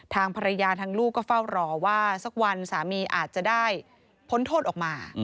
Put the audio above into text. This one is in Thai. ทางภรรยาทางลูกก็เฝ้ารอว่าสักวันสามีอาจจะได้พ้นโทษออกมา